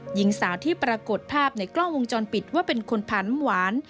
หญิงสาวที่ปรากฏภาพในกล้องวงจรปิดว่าเป็นคนพาน้ำหวาน